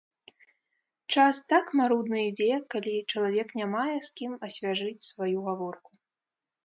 Час так марудна ідзе, калі чалавек не мае з кім асвяжыць сваю гаворку.